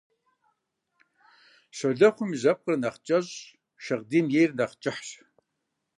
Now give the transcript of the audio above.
Щолэхъум и жьэпкъыпэр нэхъ кӀэщӀщ, шагъдийм ейр нэхъ кӀыхьщ.